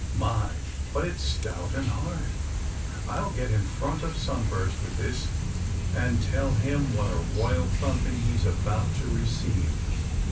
*^My, but it's stout and hard. I'll get in front of Sunburst with this and tell him what a royal thumping he is about to receive.